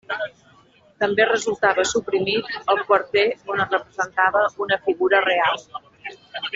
També resultava suprimit el quarter on es representava una figura real.